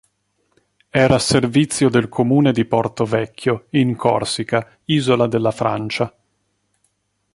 Era a servizio del comune di Porto Vecchio, in Corsica, isola della Francia.